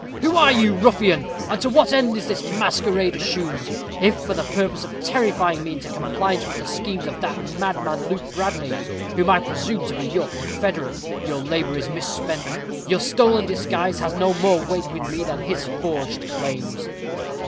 "Who are you, ruffian, and to what end is this masquerade assumed? If for the purpose of terrifying me into compliance with the schemes of that madman, Luke Bradley, whom I presume to be your confederate, your labor is misspent your stolen disguise has no more weight with me than his forged claims."